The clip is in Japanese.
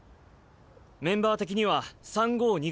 メンバー的には３−５−２が妥当。